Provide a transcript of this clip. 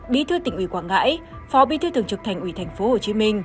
bí thư tỉnh ủy quảng ngãi phó bí thư thường trực thành ủy tp hcm